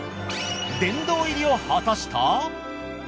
殿堂入りを果たした。